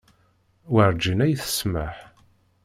Werǧin ad yi-tsameḥ.